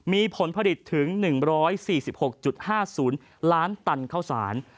มีผลผลิตถึง๑๔๖๕๐ล้านตันข้าวสาร